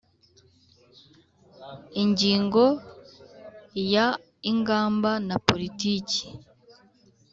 Ingingo ya Ingamba na politiki